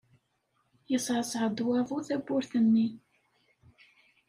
Yeṣṣeɛṣeɛ-d waḍu tawwurt-nni.